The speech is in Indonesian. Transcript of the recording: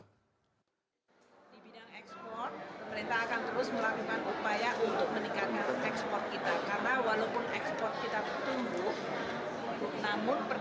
kita memberikan pelayanan kemudahan ke rbi dan cukai